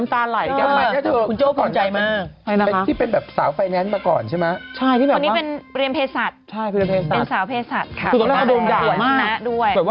ตรงนี้ก็เธอเครียดกระเยียดน้ำตาลไหล่ก็เธอ